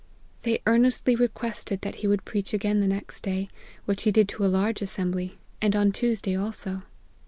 They earnestly requested that he would preach again the next day, which he did to a large assembly ; and on Tuesday also.